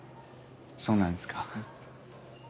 そうなんですか。